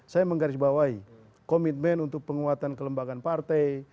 saya menggarisbawahi komitmen untuk penguatan kelembagaan partai